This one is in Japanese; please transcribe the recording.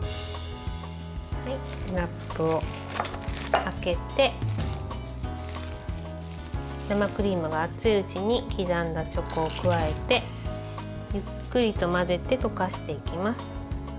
ラップを開けて生クリームが熱いうちに刻んだチョコを加えてゆっくりと混ぜて溶かしていきます。